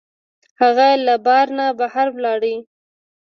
هغه له بار نه بهر لاړ.